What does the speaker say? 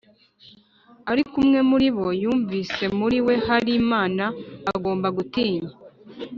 ariko umwe muri bo yumvise muri we hari imana agomba gutinya